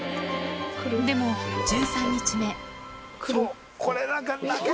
でも、１３日目。